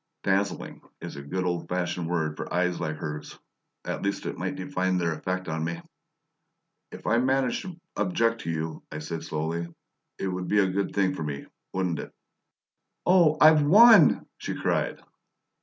"Dazzling" is a good old fashioned word for eyes like hers; at least it might define their effect on me. "If I did manage to object to you," I said slowly, "it would be a good thing for me wouldn't it?" "Oh, I've WON!" she cried.